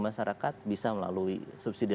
masyarakat bisa melalui subsidi